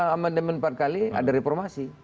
amandemen empat kali ada reformasi